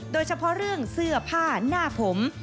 โดยเฉพาะเรื่องเสื้อผ้าหน้าผม